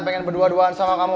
pengen berdua duaan sama kamu